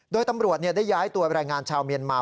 โดยตำรวจได้ย้ายตัวแรงงานชาวเมียนมา